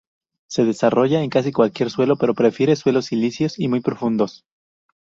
Se desarrolla en casi cualquier suelo pero prefiere suelos silíceos y muy profundos.